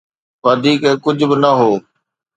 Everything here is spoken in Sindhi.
وڌيڪ ڪجهه به نه هو.